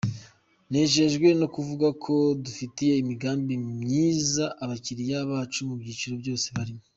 Nejejwe no kuvuga ko dufitiye imigambi myiza abakiliya bacu mu byiciro byose barimo.